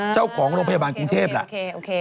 เจ้าของโรงพยาบาลกรุงเทพล่ะ